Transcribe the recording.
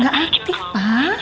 gak aktif pak